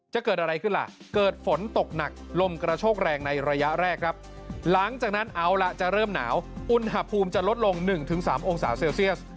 จะเกิดอะไรขึ้นล่ะเกิดฝนตกหนักลมกระโชกแรงในระยะแรกครับหลังจากนั้นเอาล่ะจะเริ่มหนาวอุณหภูมิจะลดลง๑๓องศาเซลเซียส